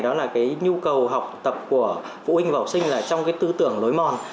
đó là nhu cầu học tập của phụ huynh vào sinh trong tư tưởng lối mòn